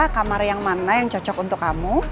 kamar yang mana yang cocok untuk kamu